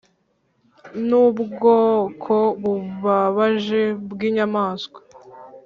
nubwoko bubabaje bw’ inyamaswa